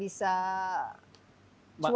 jadi kalau kita lihat